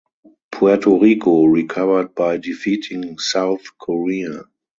Puerto Rico recovered by defeating South Korea.